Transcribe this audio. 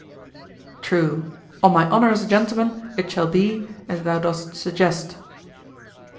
"True, on my honor as a gentleman it shall be as thou dost suggest."